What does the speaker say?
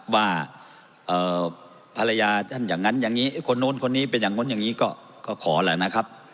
ว่าภรรยาท่านอย่างนั้นอย่างนี้คนนู้นคนนี้เป็นอย่างนู้นอย่างนี้ก็ขอแหละนะครับ